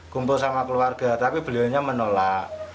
kumpul sama keluarga tapi beliaunya menolak